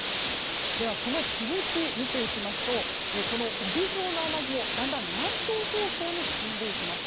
では、この続きを見ていきますと帯状の雨雲、だんだん南東方向に進んでいきます。